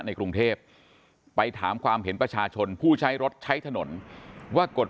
ในกรุงเทพไปถามความเห็นประชาชนผู้ใช้รถใช้ถนนว่ากฎ